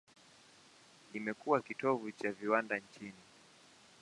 Imekuwa kitovu cha viwanda nchini.